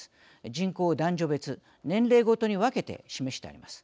人口を男女別、年齢ごとに分けて示してあります。